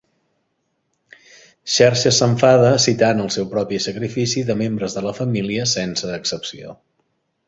Xerxes s'enfada, citant el seu propi sacrifici de membres de la família sense excepció.